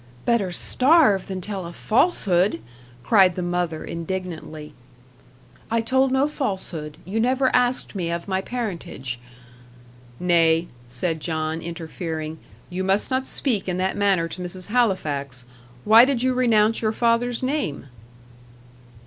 "Better starve than tell a falsehood," cried the mother, indignantly. "I told no falsehood. You never asked me of my parentage." "Nay," said John, interfering, "you must not speak in that manner to Mrs. Halifax. Why did you renounce your father's name?"